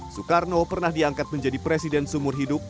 soekarno pernah diangkat menjadi presiden seumur hidup